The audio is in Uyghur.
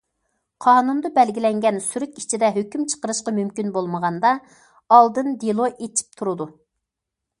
قانۇندا بەلگىلەنگەن سۈرۈك ئىچىدە ھۆكۈم چىقىرىشقا مۇمكىن بولمىغاندا، ئالدىن دېلو ئېچىپ تۇرىدۇ.